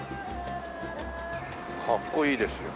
かっこいいですよ。